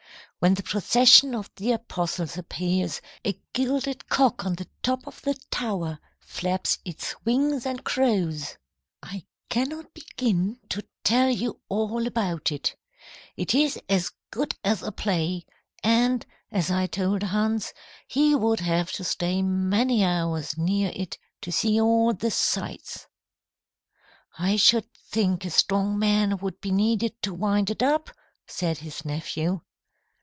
When the procession of the apostles appears, a gilded cock on the top of the tower flaps its wings and crows. "I cannot begin to tell you all about it. It is as good as a play, and, as I told Hans, he would have to stay many hours near it to see all the sights." "I should think a strong man would be needed to wind it up," said his nephew.